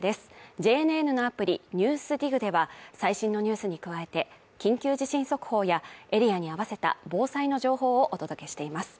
ＪＮＮのアプリ「ＮＥＷＳＤＩＧ」では最新のニュースに加えて、緊急地震速報やエリアに合わせた防災の情報をお届けしています。